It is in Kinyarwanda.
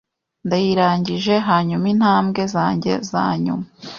Ndayirangije, hanyuma intambwe zanjye zanyuma